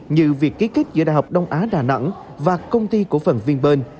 như việc ký kết giữa đại học đông á đà nẵng và công ty của phần viên bên